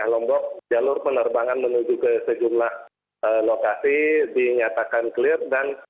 riko hardiansyah sidoarjo